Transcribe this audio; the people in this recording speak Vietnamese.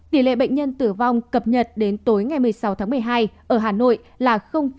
tỷ lệ bệnh nhân tử vong cập nhật đến tối ngày một mươi sáu tháng một mươi hai ở hà nội là một